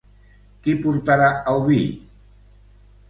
Qui portarà el vi?